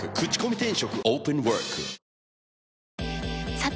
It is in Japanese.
さて！